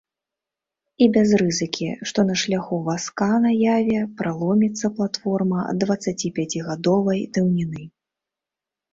І без рызыкі, што на шляху вазка на яве праломіцца платформа дваццаціпяцігадовай даўніны.